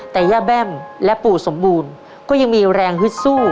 แต่ย่าแบ้มและปู่สมบูรณ์ก็ยังมีแรงฮึดสู้